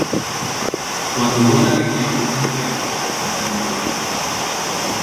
Cuando Bona tenía unos quince años, su madre murió.